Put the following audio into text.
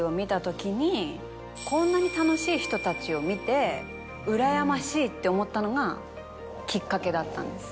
こんなに楽しい人たちを見てうらやましいって思ったのがきっかけだったんです。